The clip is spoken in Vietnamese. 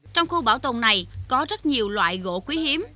trong khu bảo tồn này có rất nhiều loại gỗ quý hiếm